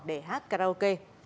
để hát karaoke